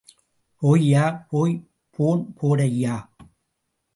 போய்யா... போய் போன் போடுய்யா.